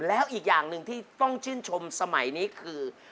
แล้วอีกอย่างหนึ่งที่ต้องชื่นชมสมัยนี้คือ